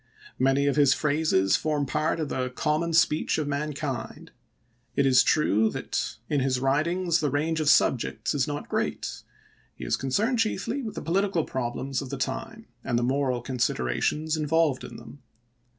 Many of his phrases form part of the common speech of man kind. It is true that in his writings the range of "La Victoire du Nord,' p. 133. 352 ABKAHAM LINCOLN ch. xviii. subjects is not great ; lie is concerned chiefly with the political problems of the time, and the moral considerations involved in them.